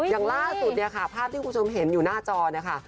อย่างล่าสุดเนี่ยค่ะภาพที่คุณผู้ชมเห็นอยู่หน้าจอเนี่ยค่ะ